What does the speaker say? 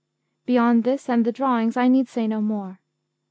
Beyond this and the drawings I need say no more.